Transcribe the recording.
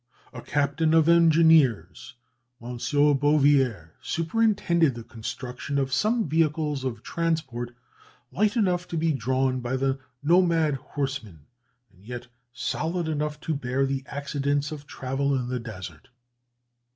A captain of engineers, M. Bouvier, superintended the construction of some vehicles of transport, light enough to be drawn by the nomad horsemen, and yet solid enough to bear the accidents of travel in the desert.